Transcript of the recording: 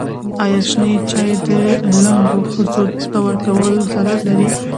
ایا شنې چايي و لنګو ښځو ته ورکول ضرر لري؟